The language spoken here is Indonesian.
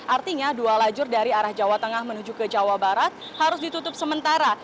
artinya dua lajur dari arah jawa tengah menuju ke jawa barat harus ditutup sementara